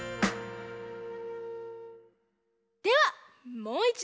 ではもういちど。